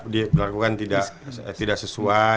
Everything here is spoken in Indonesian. diperlakukan tidak sesuai